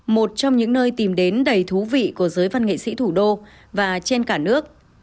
một trong những nơi tìm đến đầy thú vị của giới văn nghệ sĩ thủ đô và trên cả nước